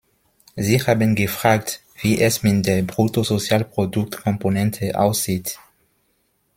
Sie haben gefragt, wie es mit der Bruttosozialproduktkomponente aussieht.